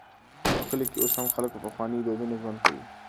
په کلیو کې اوس هم خلک په پخوانيو دودونو ژوند کوي.